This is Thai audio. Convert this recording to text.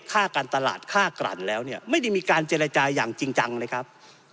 ค่าการตลาดค่ากลั่นแล้วเนี่ยไม่ได้มีการเจรจาอย่างจริงจังเลยครับ